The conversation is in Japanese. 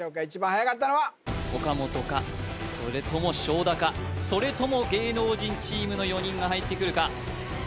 一番はやかったのは岡本かそれとも勝田かそれとも芸能人チームの４人が入ってくるか？